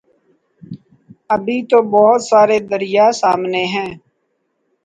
ابھی تو بہت سارے دریاسامنے ہیں۔